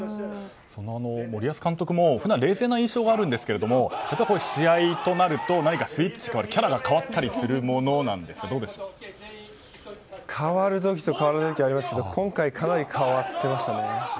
森保監督も普段冷静な印象があるんですけど試合となると、何かスイッチキャラが変わったり変わる時と変わらない時がありますけど今回はかなり変わっていましたね。